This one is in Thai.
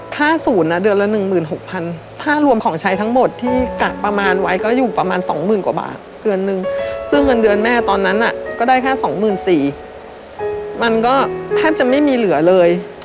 ค่าศูนย์เดือนละ๑๖๐๐ถ้ารวมของใช้ทั้งหมดที่กะประมาณไว้ก็อยู่ประมาณ๒๐๐๐กว่าบาทเดือนนึงซึ่งเงินเดือนแม่ตอนนั้นก็ได้แค่๒๔๐๐มันก็แทบจะไม่มีเหลือเลย